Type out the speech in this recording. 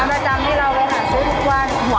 ประจำที่เราไปหาซื้อทุกวัน